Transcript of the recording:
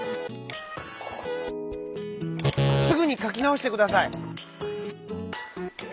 「すぐにかきなおしてください」。